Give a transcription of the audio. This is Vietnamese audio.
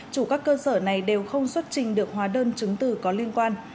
chủ các cơ sở này đều không xuất trình được hóa đơn chứng từ có liên quan